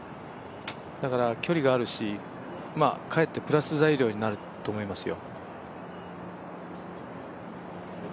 だから距離があるし、かえってプラス材料になると思いますよ。